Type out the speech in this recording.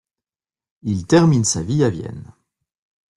Il termine sa vie à Vienne.